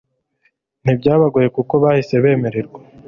ntibyabagoye kuko bahise bemererwa